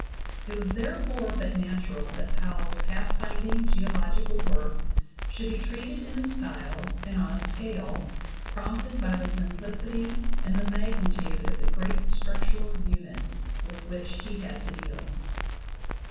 It was therefore but natural that Powell's pathfinding geological work should be treated in a style and on a scale prompted by the simplicity and the magnitude of the great structural units with which he had to deal.